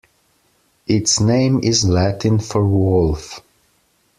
Its name is Latin for wolf.